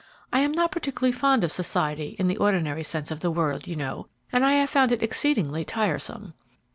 I am not particularly fond of society in the ordinary sense of the word, you know, and I have found it exceedingly tiresome."